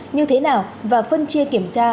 như thế nào và phân chia kiểm tra